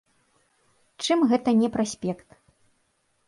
Чым гэта не праспект?